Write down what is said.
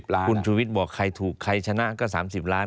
คุณชูวิทย์บอกใครถูกใครชนะก็๓๐ล้าน